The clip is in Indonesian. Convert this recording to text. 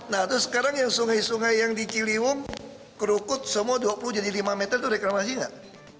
nah terus sekarang yang sungai sungai yang di ciliwung kerukut semua dua puluh jadi lima meter itu reklamasi nggak